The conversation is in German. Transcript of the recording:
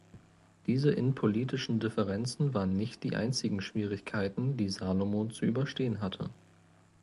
Diese innenpolitischen Differenzen waren nicht die einzigen Schwierigkeiten die Salomon zu überstehen hatte.